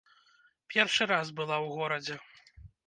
Першы раз была ў горадзе.